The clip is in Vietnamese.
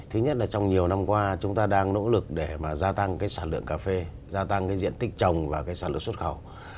thứ nhất là trong nhiều năm qua chúng ta đang nỗ lực để mà gia tăng cái sản lượng cà phê gia tăng cái diện tích trồng và cái sản lượng xuất khẩu